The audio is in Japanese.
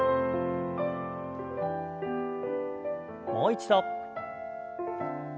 もう一度。